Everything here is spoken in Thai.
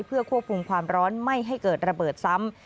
เพื่อควบคุมความร้อนไม่ให้เกิดระเบิดซ้ำ